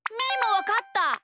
わかった！